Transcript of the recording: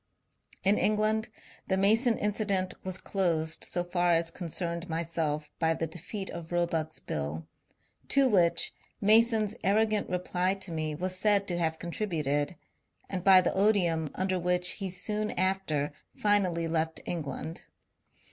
In England the Mason incident was closed so far as con cerned myself by the defeat of Roebuck's bill, to which 426 MONCURE DANIEL CONWAY Mason's arrogant reply to me was said to have oontribnted^ and by the odium under which he soon after finally left Eng land.